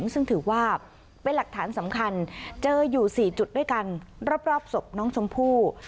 ซึ่งถือว่าเป็นหลักฐานสำคัญเจออยู่๔จุดด้วยกันรอบศพน้องชมพู่